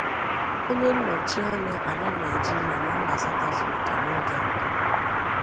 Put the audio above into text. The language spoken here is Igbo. onye nnọchianya ala Nigeria na mba South Africa n'oge mbụ